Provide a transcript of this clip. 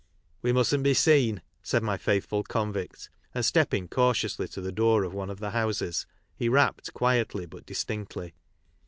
" We musn't be seen," said my faithful convict, and stepping cautiously to the door of one of the houses he rapped quietly but distinctly.